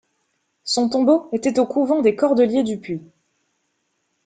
Son tombeau était au couvent des Cordeliers du Puy.